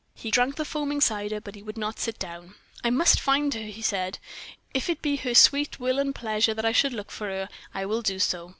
He drank the foaming cider, but he would not sit down. "I must find her," he said. "If it be her sweet will and pleasure that I should look for her, I will do so."